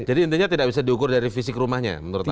jadi intinya tidak bisa diukur dari fisik rumahnya menurut anda